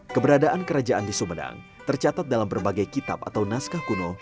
keberadaan kerajaan di sumedang tercatat dalam berbagai kitab atau naskah kuno